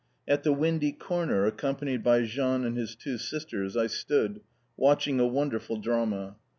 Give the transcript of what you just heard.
At the windy corner, accompanied by Jean and his two sisters, I stood, watching a wonderful drama.